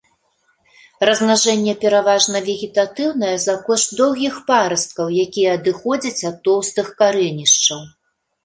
Размнажэнне пераважна вегетатыўнае за кошт доўгіх парасткаў, якія адыходзяць ад тоўстых карэнішчаў.